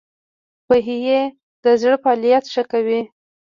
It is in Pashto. بیهي د زړه فعالیت ښه کوي.